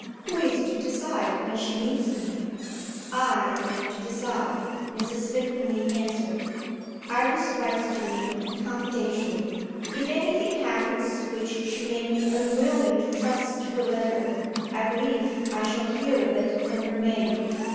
"Who is to decide when she needs me?" "I am to decide," Mrs. Vimpany answered; "Iris writes to me confidentially. If anything happens which she may be unwilling to trust to a letter, I believe I shall hear of it from her maid."